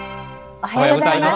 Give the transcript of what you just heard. おはようございます。